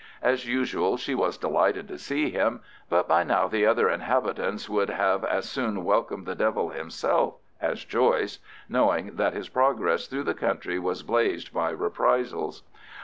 As usual, she was delighted to see him, but by now the other inhabitants would have as soon welcomed the devil himself as Joyce, knowing that his progress through the country was blazed by reprisals.